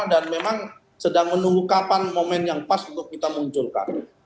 dan memang sedang menunggu kapan momen yang pas untuk kita munculkan